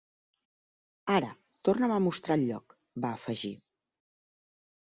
"Ara, torna'm a mostrar el lloc!", va afegir.